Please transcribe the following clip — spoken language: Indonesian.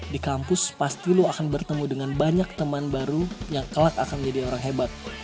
di kampus pasti lu akan bertemu dengan banyak teman baru yang kelak akan menjadi orang hebat